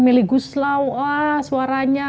melly guslau wah suaranya